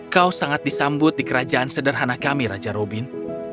kau sangat disambut di kerajaan sederhana kami raja robin